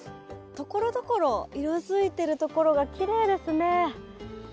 ところどころ、色づいてるところがきれいですね。